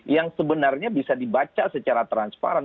yang sebenarnya bisa dibaca secara transparan